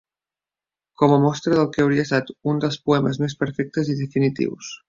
Com a mostra del que hauria estat un dels poemes més perfectes i definitius.